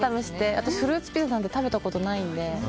私フルーツピザなんて食べたことないんで。